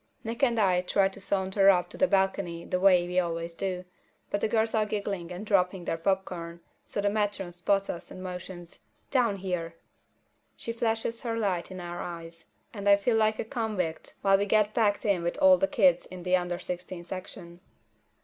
Nick and I try to saunter up to the balcony the way we always do, but the girls are giggling and dropping their popcorn, so the matron spots us and motions. "Down here!" She flashes her light in our eyes, and I feel like a convict while we get packed in with all the kids in the under sixteen section.